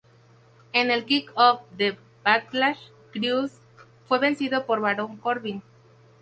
En el Kick-Off de Backlash Crews fue vencido por Baron Corbin.